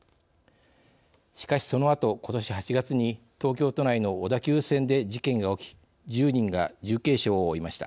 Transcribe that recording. しかし、そのあと、ことし８月に東京都内の小田急線で事件が起き１０人が重軽傷を負いました。